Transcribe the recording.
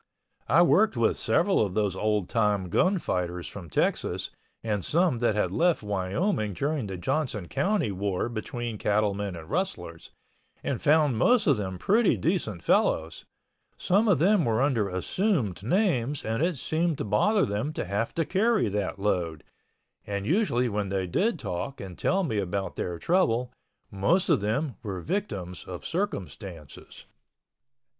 I worked with several of those old time gunfighters from Texas and some that had left Wyoming during the Johnson County war between cattlemen and rustlers, and found most of them pretty decent fellows. Some of them were under assumed names and it seemed to bother them to have to carry that load—and usually when they did talk and tell me about their trouble most of them were victims of circumstances.